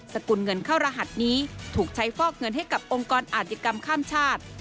สกุลเงินเข้ารหัสนี้ถูกใช้ฟอกเงินให้กับองค์กรอาธิกรรมข้ามชาติ